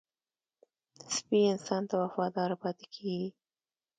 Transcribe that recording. سپي انسان ته وفاداره پاتې کېږي.